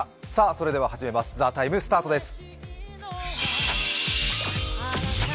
それでは始めます「ＴＨＥＴＩＭＥ，」スタートです。